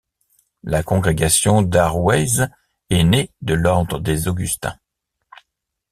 La congrégation d'Arrouaise est née de l'ordre des Augustins.